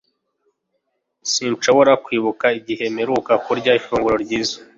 sinshobora kwibuka igihe mperutse kurya ifunguro ryiza